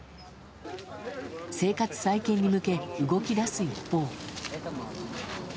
生活再建に向け動き出す一方。